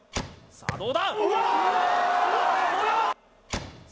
さあどうだ！